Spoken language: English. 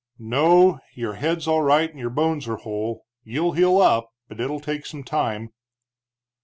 "No, your head's all right and your bones are whole. You'll heal up, but it'll take some time."